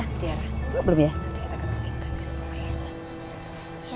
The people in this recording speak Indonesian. nanti kita ketemuin tante sekolah ya